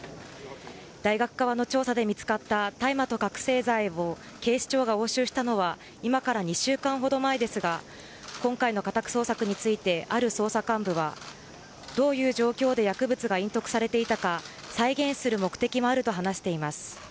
大学側の調査で見つかった大麻と覚醒剤を警視庁が押収したのは今から２週間ほど前ですが今回の家宅捜索についてある捜査幹部はどういう状況で薬物が隠匿されていたか再現する目的もあると話しています。